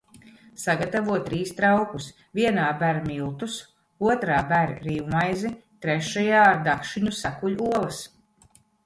Sagatavo trīs traukus – vienā ber miltus, otrā ber rīvmaizi, trešajā ar dakšiņu sakuļ olas.